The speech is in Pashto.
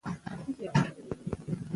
د تولید سکتور فلج کېږي.